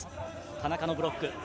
田中のブロック。